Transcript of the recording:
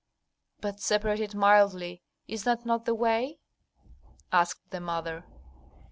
"But separated mildly; is that not the way?" asked the mother.